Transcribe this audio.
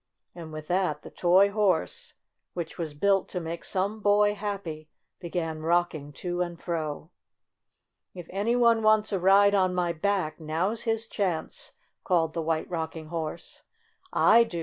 And with that the toy horse, which was built to make some boy happy, began rocking to and fro. "If any one wants a ride on my back, now's his chance !" called the White Rock ing Horse. "I do!"